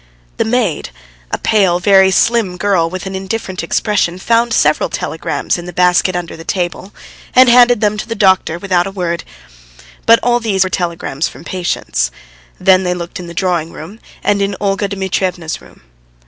The maid a pale, very slim girl with an indifferent expression found several telegrams in the basket under the table, and handed them to the doctor without a word; but all these were telegrams from patients. Then they looked in the drawing room, and in Olga Dmitrievna's room.